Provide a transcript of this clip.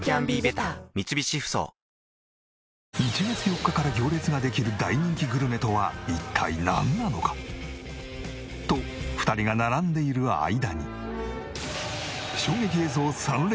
１月４日から行列ができる大人気グルメとは一体なんなのか！？と２人が並んでいる間に。